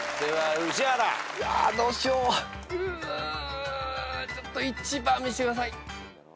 うちょっと１番見せてください。